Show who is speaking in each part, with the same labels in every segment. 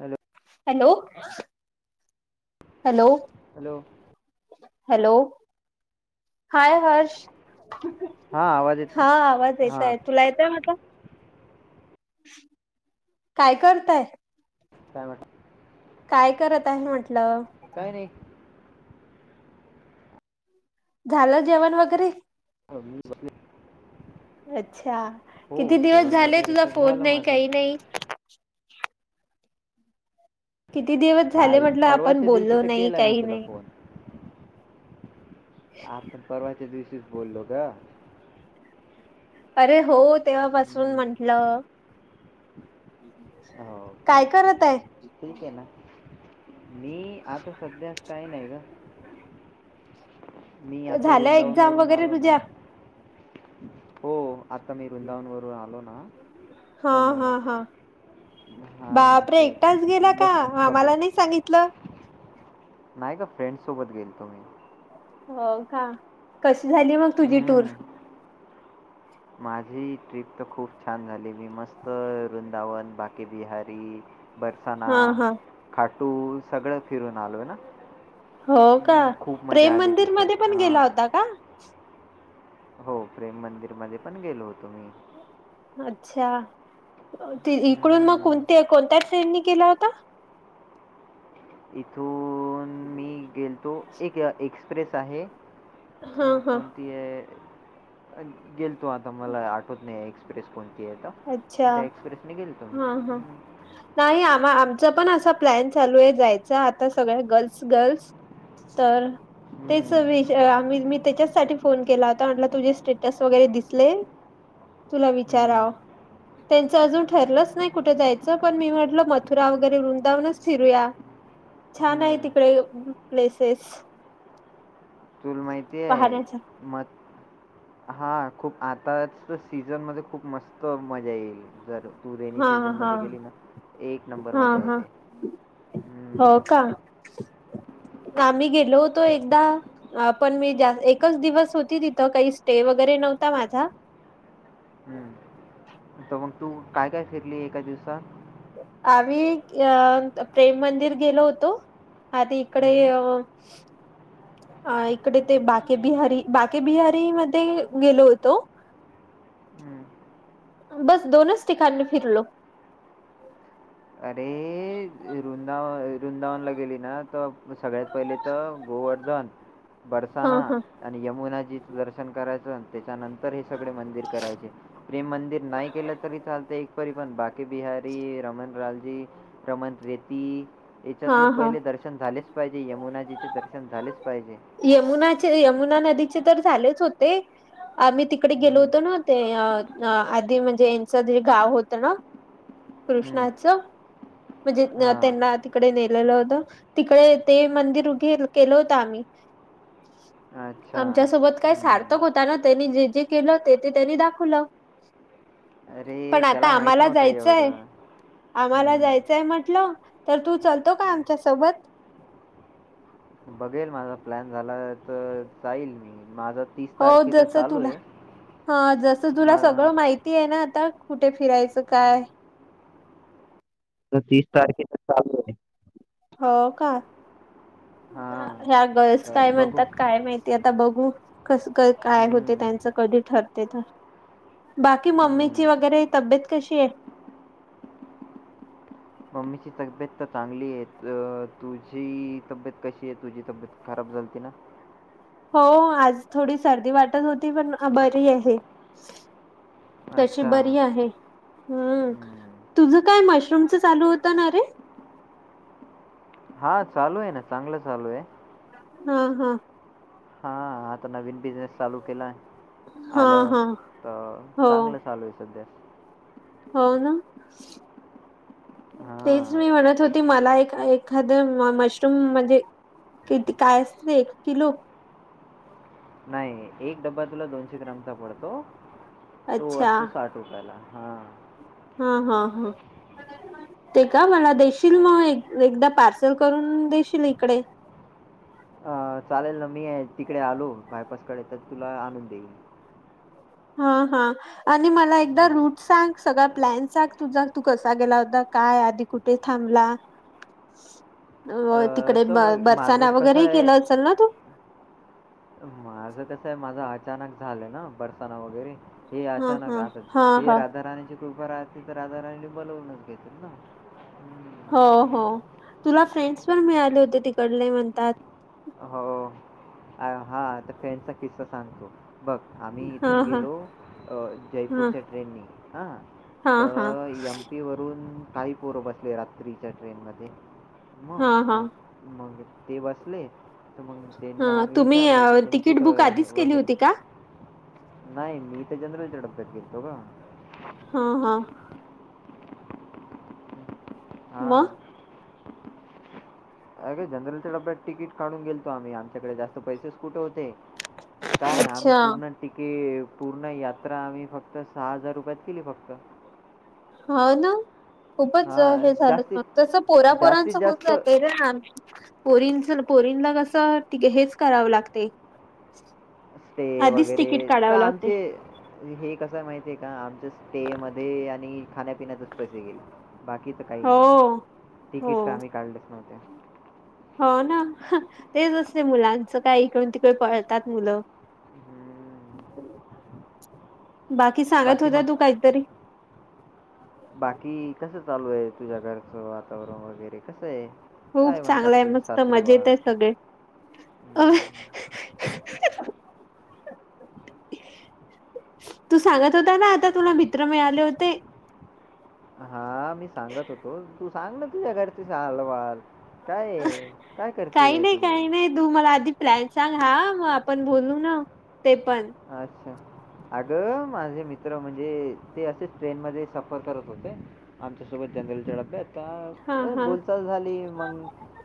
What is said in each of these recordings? Speaker 1: Hello.
Speaker 2: Hello. Hello.
Speaker 1: Hello.
Speaker 2: Hello? Hi Harsh
Speaker 1: हां आवाज येत
Speaker 2: हा आवाज
Speaker 1: हां
Speaker 2: येताय तुला येताय माझा. [inaudible] काय करताय?
Speaker 1: काय नाही.
Speaker 2: काय करत आहे म्हटलं?
Speaker 1: काय नाही.
Speaker 2: झालं जेवण वगैरे?
Speaker 1: हा मी येऊ लागले [inaudible]
Speaker 2: अच्छा!
Speaker 1: हो
Speaker 2: किती दिवस
Speaker 1: जेवण
Speaker 2: झाले?
Speaker 1: वगैरे
Speaker 2: तुझा
Speaker 1: तर
Speaker 2: फोन
Speaker 1: झालं
Speaker 2: नाही
Speaker 1: माझं
Speaker 2: काही नाही. किती दिवस झाले?
Speaker 1: काल
Speaker 2: म्हटलं आपण
Speaker 1: परवाच्या दिवशी
Speaker 2: बोललो
Speaker 1: तर
Speaker 2: नाही
Speaker 1: केला मी
Speaker 2: काही
Speaker 1: तुला
Speaker 2: नाही.
Speaker 1: आता! परवाच्या दिवशीच बोललो ग
Speaker 2: अरे! हो. तेव्हापासून
Speaker 1: हम्म.
Speaker 2: म्हंटल
Speaker 1: हो
Speaker 2: [inaudible]
Speaker 1: का
Speaker 2: काय करत आहे?
Speaker 1: ठीक आहे ना. मी आता सध्यास काही नाही. ग
Speaker 2: हम [inaudible]
Speaker 1: मी आता वृंदावनवरून
Speaker 2: वगैरे
Speaker 1: आलो ना.
Speaker 2: तुझ्या
Speaker 1: [inaudible] हो. आता मी वृंदावन वरून आलो ना?
Speaker 2: हा
Speaker 1: त
Speaker 2: हा
Speaker 1: मग
Speaker 2: हा
Speaker 1: हां
Speaker 2: बापरे!
Speaker 1: ते
Speaker 2: एकटाच गेला का?
Speaker 1: बस थकून
Speaker 2: आम्हाला नाही सांगितलं?
Speaker 1: नाही ग फ्रेंड सोबत गेल तो मी.
Speaker 2: हो का? कशी झाली मग तुझी टूर.
Speaker 1: तुम्ही माझी ट्रिप तर खूप छान झालीली. मी मस्त वृंदावन बाकीे बिहारी. बरसाणा,
Speaker 2: हा हा
Speaker 1: खाटू सगळं फिरून आलो आहे ना.
Speaker 2: हो का?
Speaker 1: हं, खूप मजा
Speaker 2: प्रेम
Speaker 1: आली तिथे.
Speaker 2: मंदिरमध्येध्ये पण
Speaker 1: हां.
Speaker 2: गेला होता का?
Speaker 1: हो! प्रेम मंदिरमध्ये पण गेलो होतो. मी
Speaker 2: अच्छा! ते इकडून मग
Speaker 1: हं.
Speaker 2: कोणत्या, कोणत्या साईडनी गेला होता.
Speaker 1: इथून मी गेलतो एक एक्सप्रेस आहे.
Speaker 2: हा हा
Speaker 1: ते गेल तो आता मला आठवत नाही एक्स एक्सप्रेस कोणती आहे आता?
Speaker 2: अच्छा
Speaker 1: त्याएक्सप्रेसने गेलो तो मी?
Speaker 2: हा हा
Speaker 1: हं,
Speaker 2: नाही? आम आमचा पण असा प्लॅन चालू आहे. जायच आता सगळ्या गर्ल्स, गर्ल्स तर तेच
Speaker 1: हं,
Speaker 2: वि- आम्ही मी त्याच्यासाठी फोन केला होता? म्हटलं तुझे स्टेटस वगैरे दिसले. तुला विचाराव.
Speaker 1: हं,
Speaker 2: त्यांचं अजून ठरलंच नाही कुठे जायचं? पण मी म्हटलं मथुरा वगैरे वृंदावनच फिरूया. छान आहेत.
Speaker 1: हं.
Speaker 2: तिकडे प्लेसेस
Speaker 1: तुल माहिती आहे.
Speaker 2: पाहण्याचा
Speaker 1: मत हां खूप आता तिथ. सीजनमध्ये खूप मस्त मजा येईल. जर तू रेनी
Speaker 2: हा हा
Speaker 1: सीझनमध्ये गेली ना? एक नंबर
Speaker 2: हा
Speaker 1: मजा
Speaker 2: हा
Speaker 1: येते.
Speaker 2: हो [inaudible] आम्ही गेलो होतो. एकदा अ पण मी जा एकच दिवस होती. तिथं काही स्टे वगैरे नव्हता माझा.
Speaker 1: हम् [inaudible] तर मग तू काय, काय फिरली एका दिवसात.
Speaker 2: आम्ही अ प्रेम मंदिर गेलो होतो. आधी इकडे
Speaker 1: हं,
Speaker 2: हा इकडे ते बाके बिहारी, बाके बिहारी मध्ये गेलो होतो.
Speaker 1: हं.
Speaker 2: बस दोनच ठिकाणी फिरलो.
Speaker 1: अरे! वृंदावन वृंदावनला गेली ना? तर सगळ्यात पहिले तर गोवर्धन
Speaker 2: [inaudible]
Speaker 1: बरसाना
Speaker 2: हा
Speaker 1: आणि यमुनाजीचं दर्शन करायचं त्याच्यानंत तर हे सगळे मंदिर करायचे. प्रेम मंदिर नाही केलं तरी चालते. एकतरी पण बाकी बिहारी, रमन लालजी, रमन रेती
Speaker 2: हा
Speaker 1: यांच्यातलं
Speaker 2: हा
Speaker 1: पहिले दर्शन दर्शन झालेच पाहिजे. यमुनाजीचे दर्शन झालेच पाहिजे.
Speaker 2: यमुनाचे यमुना नदीचे तर झालेच होते. ते आम्ही तिकडे गेलो
Speaker 1: हं,
Speaker 2: होतो ना, ते अ आधी म्हणजे यांचं जे गाव होतं ना,
Speaker 1: हं.
Speaker 2: कृष्णाच. म्हणजे
Speaker 1: हां.
Speaker 2: त्यांना तिकडे नेलेलं होतं. तिकडे ते मंदिर उघेल केलं होतं आम्ही. [inaudible]
Speaker 1: अच्छा.
Speaker 2: आमच्यासोबत काय
Speaker 1: हं.
Speaker 2: सार्थक होता ना, त्यांनी जे जे केलं ते ते त्यांनी दाखवलं.
Speaker 1: अरे,
Speaker 2: पण आता
Speaker 1: त्याला माहीत
Speaker 2: आम्हाला
Speaker 1: नव्हतं
Speaker 2: जाय [unintelligible]
Speaker 1: एवढं.
Speaker 2: आम्हाला
Speaker 1: हं.
Speaker 2: जायचंय म्हंटल. तर तू चालतो का आमच्या सोबत
Speaker 1: बघेन माझा प्लॅन झाला तर जाईल मी. माझं
Speaker 2: हो जसं तुला हा जसं तुला
Speaker 1: माझा
Speaker 2: सगळं माहित ती आहे ना आता, कुठे फिरायचं
Speaker 1: हं.
Speaker 2: काय
Speaker 1: त तीस तारखेच चालू आहे.
Speaker 2: हो का,
Speaker 1: हां.
Speaker 2: ह्या गर्ल्स
Speaker 1: तर
Speaker 2: काय
Speaker 1: बघू.
Speaker 2: म्हणतात काय माहिती. ते आता बघू. कसं काय काय होते
Speaker 1: हं,
Speaker 2: त्यांचं कधी ठरते त बाकी मम्मीची
Speaker 1: हं.
Speaker 2: वगैरे तब्येत कशी आहे?
Speaker 1: मम्मीची तब्येत त चांगली आहे. त.. तुझी तब्येत कशी आहे तुझी तब्येत? खराब झालती ना,
Speaker 2: हो आज थोडी सर्दी वाटत होती. पण बरी आहे. तशी
Speaker 1: अच्छा.
Speaker 2: बरी आहे. हम्म,
Speaker 1: हं.
Speaker 2: तुझ काय मशरूमच चालू होत ना रे.
Speaker 1: हा चालू आहे ना, चांगल चालू आहे.
Speaker 2: हा हा,
Speaker 1: हा आता नवीन बिझनेस चालू केलाय.
Speaker 2: हा
Speaker 1: आल्यावर
Speaker 2: हा
Speaker 1: त
Speaker 2: हो
Speaker 1: चागलं चालू आहे संध्या.
Speaker 2: हो न. तेच
Speaker 1: हां.
Speaker 2: मी म्हणत होती. मला एक एखाद मशरूम म्हणजे किती काय असते. एक किलो
Speaker 1: नाही, एक डब्बा तुला दोनशे ग्रामचा पडतो. तो
Speaker 2: अच्छा
Speaker 1: असतो साठ रुपयाला. हा,
Speaker 2: हा हा हा, ते का मला देशील मग एक एकदा पार्सल करून देशील इकडे.
Speaker 1: अ चालेल ना, मी तिकडे आलो बायपासकडे तर तुला आणून देईल.
Speaker 2: हा हा, आणि मला एकदा रूट सांग सगळा प्लॅनचा तुझा तू कसा गेला होता. काय आधी कुठे थांबला. अ तिकडे
Speaker 1: तर
Speaker 2: बर
Speaker 1: बघ माझं
Speaker 2: बरसाना
Speaker 1: कसं
Speaker 2: वगैरेही
Speaker 1: आहे
Speaker 2: केलं असेल ना तू?
Speaker 1: माझं कसं आहे माझं अचानक झालंय ना, बरसाना वगैरे. हे
Speaker 2: हा
Speaker 1: अचानक
Speaker 2: हा
Speaker 1: आता
Speaker 2: हा
Speaker 1: ते
Speaker 2: हा
Speaker 1: राधा राणीचे कृपा राहते. तर राधाराणी बोलवूनच घेतेत न,
Speaker 2: हो हो, तुला फ्रेंड्स पण मिळाले होते तिकडले म्हणतात.
Speaker 1: हो अ हा त फ्रेंड्स किस्सा सांगतो. बघ आम्ही
Speaker 2: हा
Speaker 1: इथून
Speaker 2: हा
Speaker 1: गेलो. अ
Speaker 2: हा
Speaker 1: जयपूरच्या ट्रेननी आ
Speaker 2: हा हा,
Speaker 1: उटी वरून, काही पोरं बसले रात्रीच्या ट्रेनमध्ये
Speaker 2: हा हा
Speaker 1: मग मग ते बसले. तर मग, त्यांना
Speaker 2: हा
Speaker 1: आम्ही
Speaker 2: तुम्ही
Speaker 1: विचारल की
Speaker 2: अ,
Speaker 1: तुम्ही
Speaker 2: तिकीट
Speaker 1: कुठे
Speaker 2: बुक
Speaker 1: आहे
Speaker 2: आधीच केली
Speaker 1: वगैरे.
Speaker 2: होती का?
Speaker 1: नाही मी इथे जनरलच्या डब्यात गेलतो ग.
Speaker 2: हम्म, हम्म. मग.
Speaker 1: हां. अगं जनरलच्या डब्यात तिकीट काढून, गेलतो आम्ही आमच्याकडे जास्त पैसेच कुठे होते. काय आम्ही
Speaker 2: अच्छा
Speaker 1: पूर्ण तिके पूर्ण यात्रा, आम्ही फक्त सहा हजार रुपयात केली फक्त.
Speaker 2: हा ना, खूपच हे
Speaker 1: हां,
Speaker 2: झालं
Speaker 1: जास्तीत
Speaker 2: मग, तसं
Speaker 1: जास्तीत
Speaker 2: पोरा-पोरांचं होत
Speaker 1: जास्त
Speaker 2: जातय रे ना. पोरीनच पोरीनला कसं हेच करावं लागते.
Speaker 1: ते
Speaker 2: आधीच
Speaker 1: वगैरे,
Speaker 2: तिकीट
Speaker 1: तर
Speaker 2: काढावं लागते
Speaker 1: आमचे हे कस माहिती आहे का आमच ते मध्ये आणि खाण्यापिण्यातच पैसे गेले, बाकी तर काही
Speaker 2: हो
Speaker 1: नाही. तिकीट तर
Speaker 2: हो
Speaker 1: आम्ही काढलेच नव्हते.
Speaker 2: हो ना, तेच असते, मुलांचं काय इकडून तिकडे पळतात मुलं.
Speaker 1: हं,
Speaker 2: बाकी सांगत होता तू काहीतरी.
Speaker 1: बाकी कसं चालू आहे, तुझ्या घरचं वातावरण वगैरे कसंये.
Speaker 2: खूप चांगला आहे, मस्त मजेत येत आहे सगळे. अ
Speaker 1: हं.
Speaker 2: [inaudible] तू सांगत होता ना, आता तुला मित्र मिळाले होते.
Speaker 1: हा मी सांगत होतो, तू सांग ना तुझ्या घरची हालवाल. काय-काय
Speaker 2: काही
Speaker 1: करतेय
Speaker 2: नाही
Speaker 1: तू.
Speaker 2: काही नाही तू मला आधी प्लॅन सांग, हा मग आपण बोलू ना ते पण.
Speaker 1: अच्छा. अगं माझे मित्र म्हणजे, ते असेच ट्रेन मध्ये सफर करत होते. आमच्यासोबत जनरलच्या डब्यात
Speaker 2: हा
Speaker 1: काय.
Speaker 2: हा
Speaker 1: बोलचाल झाली, मग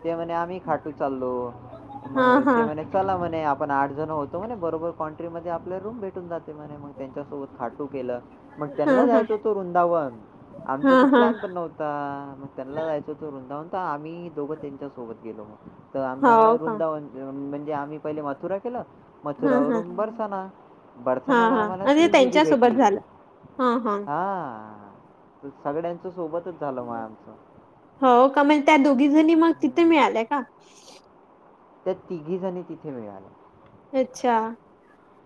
Speaker 1: ते म्हणे आम्ही खाटू चालो,
Speaker 2: हा
Speaker 1: मग
Speaker 2: हा
Speaker 1: ते म्हणे चला म्हणे आपण आठ जण होतो, म्हने बरोबर कॉन्टॅक्ट मध्ये आपल्या रूम भेटून जाते, म्हने मग त्यांच्यासोबत खाटूक गे. मग
Speaker 2: हा
Speaker 1: त्यांना
Speaker 2: हा
Speaker 1: जायच होत, वृंदावन आमचा
Speaker 2: हा
Speaker 1: तर प्लॅन
Speaker 2: हा
Speaker 1: पण नव्हत. मग त्यांनला जायचं होत, वृंदावन आम्ही दोघं त्यांच्या सोबत गेलो. तर आमला
Speaker 2: हो का
Speaker 1: रुंदावन म्हणजे, आम्ही पहिले मथुरा केला
Speaker 2: हा हा
Speaker 1: मथुरावरून बर
Speaker 2: हा
Speaker 1: बर्थनाला
Speaker 2: हा
Speaker 1: आम्हाला
Speaker 2: म्हणजे
Speaker 1: तीन दिदी
Speaker 2: त्यांच्यासोबत
Speaker 1: भेटली.
Speaker 2: झालं
Speaker 1: हा सांगाड्यांच सोबतच, झालं मग आमचं.
Speaker 2: होव का, मग त्या दोघी जणी मग तिथे
Speaker 1: हं.
Speaker 2: मिळाल्या का.
Speaker 1: त्या तिघी जणी तिथे मिळाल्या.
Speaker 2: अच्छा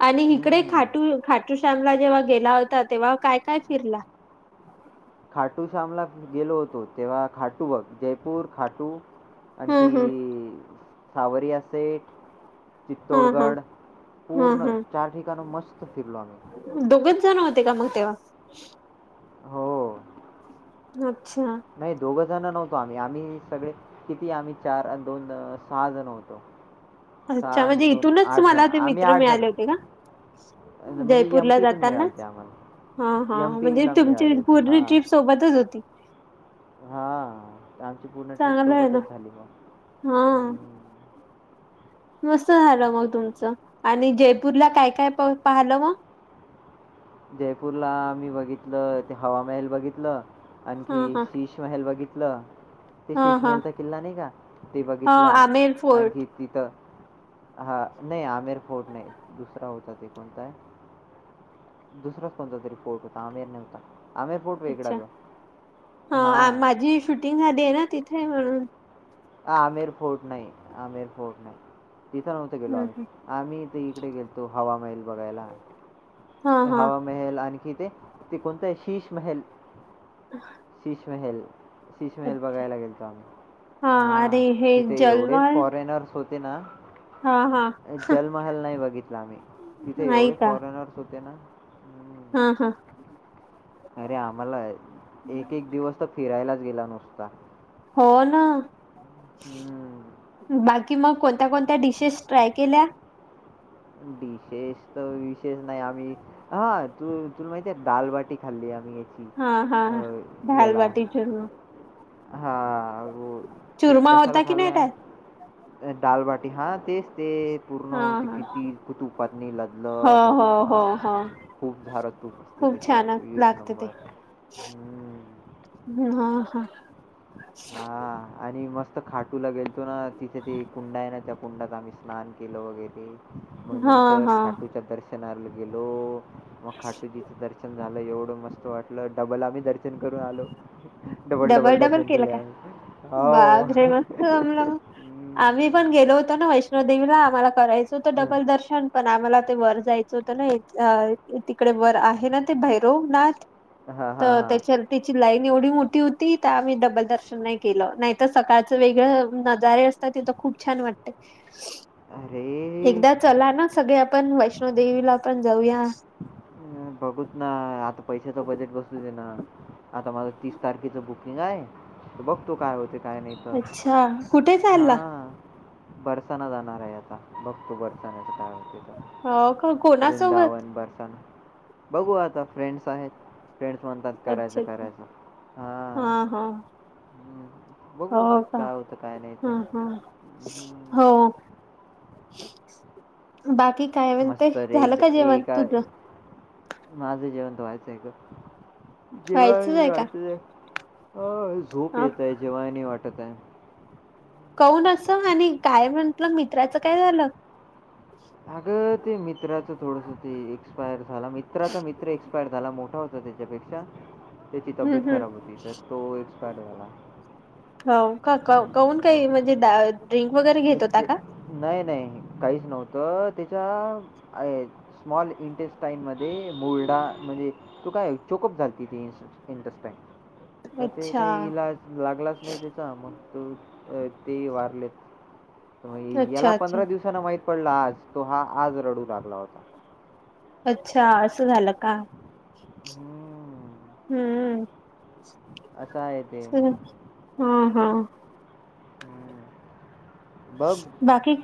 Speaker 2: आणि इकडे
Speaker 1: हं.
Speaker 2: खाटूल. खाटू शामला जेव्हा गेला होता, तेव्हा काय-काय फिरला.
Speaker 1: खाटू श्यामला गेलो, होतो तेव्हा खाटू बघ जयपूर खाटू
Speaker 2: हं हं
Speaker 1: आणखी सावरीया से.
Speaker 2: हं हं
Speaker 1: चित्तोडगड
Speaker 2: हं
Speaker 1: पूर्ण
Speaker 2: हं
Speaker 1: चार ठिकाण मस्त फिरलो आम्ही.
Speaker 2: दोघच जण होते का मग तेव्हा.
Speaker 1: हो.
Speaker 2: अच्छा.
Speaker 1: नाही दोघ जण नव्हतो आम्ही, आम्ही सगळे किती आम्ही चार अन् दोन सहा जण होतो.
Speaker 2: अच्छा
Speaker 1: आणि
Speaker 2: म्हणजे इथूनच तुम्हाला
Speaker 1: जण.
Speaker 2: ते
Speaker 1: आम्ही
Speaker 2: मित्र
Speaker 1: जण.
Speaker 2: मिळाले होते का
Speaker 1: अ, म्हणजे
Speaker 2: जयपूरला
Speaker 1: एम-पीतून
Speaker 2: जाताना
Speaker 1: मिळाले ते आम्हाला.
Speaker 2: हा हा म्हणजे
Speaker 1: एम-पीला
Speaker 2: तुमची
Speaker 1: मिळाले होते.
Speaker 2: पूर्ण
Speaker 1: हां.
Speaker 2: ट्रीप सोबतच होती
Speaker 1: हां आमची पूर्ण ट्रीप
Speaker 2: चांगलं आहे ना
Speaker 1: सोबतच झाली मग
Speaker 2: हा मस्त झालं मग तुमचं आणि जयपूरला काय काय पाहलं मग
Speaker 1: जयपूरला आम्ही बघितलं ते हवा महेल बघितलं
Speaker 2: हा
Speaker 1: आणखी
Speaker 2: हा
Speaker 1: शिष महल बघितलं ते
Speaker 2: हा हा
Speaker 1: शिषमहलचा किल्ला नाही का ते
Speaker 2: हा
Speaker 1: बघितला
Speaker 2: आमेर फोर्ट
Speaker 1: आणखी तिथं हा नाही आमेर फोर्ट नाही दुसरा होता ते कोणताय दुसराच कोणता तरी फोर्ट होता आमेर नव्हता आमेर फोर्ट वेगळा
Speaker 2: अच्छा
Speaker 1: ग हा
Speaker 2: [unintelligible] दे ना तिथेय म्हणून
Speaker 1: ह आमिर फोर्ट नाही आमिर फोर्ट नाही तिथं नव्हतं तिथे गेलतो
Speaker 2: हं
Speaker 1: आम्ही आम्ही इकडे गेलतो हवा महेल बघायला
Speaker 2: हं हा हा
Speaker 1: हवामहेल आणखी ते ते कोणतं आहे शिष महेल शिष महेल शिश महेल बघायला गेलतो आम्ही
Speaker 2: अरे
Speaker 1: हा
Speaker 2: हे
Speaker 1: तिथे एवढे
Speaker 2: जलवाल
Speaker 1: फॉरेनर्स होत तिथे ना
Speaker 2: हा हा
Speaker 1: जलमहेल नाही बघितला आम्ही तिथे
Speaker 2: नाही
Speaker 1: एवढे
Speaker 2: का
Speaker 1: फॉरेनर्स त्यांना
Speaker 2: हा हा
Speaker 1: अरे आम्हाला एक एक दिवस तर फिरायलाच गेला नुसता
Speaker 2: हो ना
Speaker 1: हं.
Speaker 2: बाकी कि मग कोणत्या कोणत्या डिशेस ट्राय केल्या
Speaker 1: डिशेष तर विशेष नाही आम्ही हा तू तुला माहितीय दाल बाटी खाल्ली आम्ही
Speaker 2: हा हा
Speaker 1: अ,
Speaker 2: दाल बाटी चुर्मा
Speaker 1: हा हो ते
Speaker 2: चुरमा
Speaker 1: कशाला
Speaker 2: होता की
Speaker 1: खाल्लं
Speaker 2: नाही
Speaker 1: आहे
Speaker 2: त्यात
Speaker 1: दालबाटी हा तेच ते पूर्ण
Speaker 2: हा
Speaker 1: होते
Speaker 2: हा
Speaker 1: किती
Speaker 2: हो हो हो
Speaker 1: [unintelligible]
Speaker 2: हो
Speaker 1: खूप सार तूप असते
Speaker 2: खूप
Speaker 1: त्याच्यावर
Speaker 2: छान
Speaker 1: एक
Speaker 2: लागते ते
Speaker 1: नंबर ह्
Speaker 2: हा हा
Speaker 1: हा आणि मस्त खाटूला गेलतो ना तिथे ते कुंडा आहे ना त्या कुंडात आम्ही स्नान केलं वगैरे मग
Speaker 2: हा
Speaker 1: नंतर
Speaker 2: हा
Speaker 1: खाटूच्या दर्शनाला गेलो मग खाटूजी दर्शन झालं एवढं मस्त वाटलं डबल आम्ही दर्शन करून आलो डबल डबल दर्शन
Speaker 2: केलं
Speaker 1: केले
Speaker 2: का
Speaker 1: आम्ही. हो.
Speaker 2: [unintelligible] [unintelligible] आम्ही पण गेलो होतो ना वैष्णोदेवीला आम्हाला करायचं होतं
Speaker 1: हं.
Speaker 2: डबल दर्शन पण आम्हाला ते वर जायचं होतं ना तिकडे वर आहे ना ते भैरव नाथ
Speaker 1: हां, हां,
Speaker 2: तर
Speaker 1: हां.
Speaker 2: त्याच्या त्याची लाईन एवढी मोठी होती त्या आम्ही डबल दर्शन नाही केलं नाहीतर सकाळचं वेगळं नजारे असतात तिथ खूप छान वाटते ह [inaudible]
Speaker 1: अरे
Speaker 2: चला ना सगळे आपण वैष्णोदेवीला पण जाऊया
Speaker 1: अ बघूत ना आता पैशाच बजेट बसू दे ना आता माझ तीस तारखेचं बुकिंग आहे तर बघतो काय होते काय नाही
Speaker 2: अच्छा कुठे
Speaker 1: तर हा
Speaker 2: चालला
Speaker 1: बरसाना जाणार आहे आता बघतो बरसाण्याच काय होते
Speaker 2: हो का कोणासोबत
Speaker 1: वृंदावन बरसाना. बघू आता फ्रेंड्स आहेत. फ्रेंड्स म्हणतात करायचं
Speaker 2: अच्छा अच्छा
Speaker 1: करायचं. हां.
Speaker 2: हा हा
Speaker 1: हम्.
Speaker 2: हो
Speaker 1: बघू
Speaker 2: का
Speaker 1: काय होतं? काय नाहीत?
Speaker 2: ह ह
Speaker 1: हं.
Speaker 2: हो बाकी काय म्हनते?
Speaker 1: मस्त रे
Speaker 2: झालं
Speaker 1: एकदा
Speaker 2: का जेवण
Speaker 1: एका
Speaker 2: तुझ?
Speaker 1: माझं जेवण व्हायचं आहे ग. जेवा
Speaker 2: व्हायचंच
Speaker 1: नाही
Speaker 2: आहे का
Speaker 1: वाटतंआहे. अ झोप
Speaker 2: अ
Speaker 1: येत आहे. जेवाय नाही वाटत आहे.
Speaker 2: काहून असं? आणि काय म्हंटलं मित्राचं काय झालं?
Speaker 1: अगं ते मित्राचं थोडस ते एक्स्पायर झाला. मित्राचा मित्र एक्सपायर झाला मोठा होता. त्याच्यापेक्षा त्याची
Speaker 2: हम्म
Speaker 1: तब्येत
Speaker 2: हम्म
Speaker 1: खराब होती. तर तो एक्सपायर्ड झाला.
Speaker 2: हौ का? काऊन काही म्हणजे दा -
Speaker 1: अ ते नाही नाही काहीच नव्हतं. त्याच्या- स्मॉल इंटेस्टाईन मध्ये मोर्डा म्हणजे कुठं य चोकअप झाली ती अस. इंटेस्टाइन. तर ते
Speaker 2: अच्छा
Speaker 1: काही इलाज लागलाच नाही त्याचा. मग तो ते ही वारलेत. याला
Speaker 2: अच्छा अच्छा
Speaker 1: पंधरा दिवसांन माहित पडला आज. तो हा आज रडू लागला होता.
Speaker 2: अच्छा. असं झालं का?
Speaker 1: हं.
Speaker 2: हम्म.
Speaker 1: असं आहे ते.
Speaker 2: [unintelligible] हा. हा.
Speaker 1: हं. बघ
Speaker 2: बाकी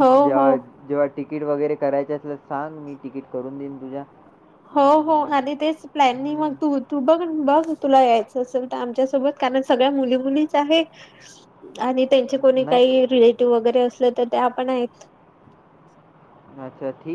Speaker 2: हो हो
Speaker 1: बघ. जेव्हा तिकीट वगैरे करायची असल तर सांग. मी तिकीट करून देईन तुझा.
Speaker 2: हो हो. आणि तेच प्लॅनिंग
Speaker 1: हं.
Speaker 2: मग तू, तू बघ बघ तुला यायचं असेल- आमच्या सोबत. कारण सगळ्या मुली मुलीच आहे आणि- त्यांचे कोणी
Speaker 1: नाही
Speaker 2: काही रिलेटिव्ह वगैरे असले तर त्या आपण आहेत.
Speaker 1: अच्छा. ठीक.